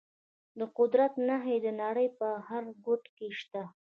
د قدرت نښې د نړۍ په هر ګوټ کې شته.